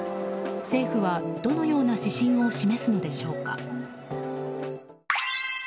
政府はどのような指針を示すのでしょうか。